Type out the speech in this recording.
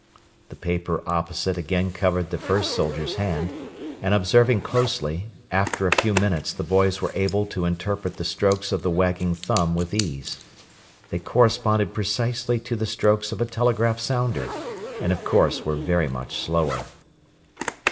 The paper opposite again covered the first soldier's hand, and observing closely, after a few minutes the boys were able to interpret the strokes of the wagging thumb with ease. They corresponded precisely to the strokes of a telegraph sounder, and of course were very much slower.